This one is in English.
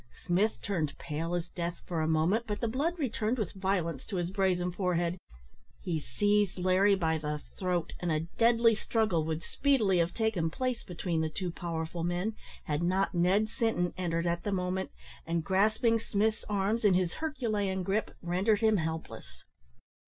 Smith turned pale as death for a moment, but the blood returned with violence to his brazen forehead; he seized Larry by the throat, and a deadly struggle would speedily have taken place between the two powerful men had not Ned Sinton entered at the moment, and, grasping Smith's arms in his Herculean gripe, rendered him helpless.